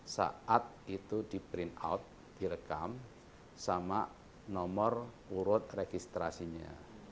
saat itu di print out direkam sama nomor urut registrasinya